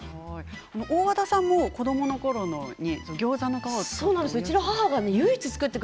大和田さんも子どものころにギョーザの皮を使って。